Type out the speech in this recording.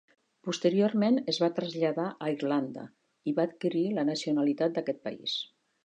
Posteriorment es va traslladar a Irlanda i va adquirir la nacionalitat d'aquest país.